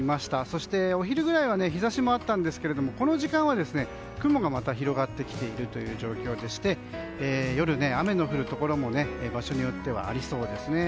そして、お昼ぐらいは日差しもあったんですけどこの時間は雲がまた広がってきている状況でして夜、雨の降るところも場所によってはありそうです。